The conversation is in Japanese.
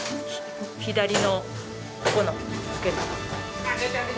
左のここの付け根。